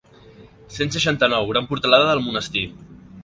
Cent seixanta-nou gran portalada del monestir.